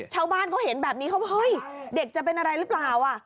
ชาวบ้านเขาเห็นแบบนี้เขาเฮ้ยเด็กจะเป็นอะไรหรือเปล่า